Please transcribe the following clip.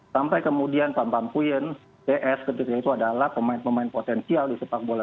sampai kemudian pantampuyen ps ketika itu adalah pemain pemain potensial di sepak bola